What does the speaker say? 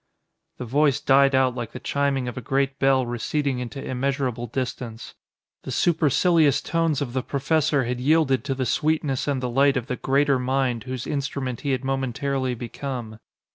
The Voice died out like the chiming of a great bell receding into immeasurable distance. The supercilious tones of the professor had yielded to the sweetness and the light of the Greater Mind whose instrument he had momentarily become.